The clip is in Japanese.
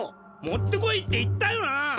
持ってこいって言ったよな！？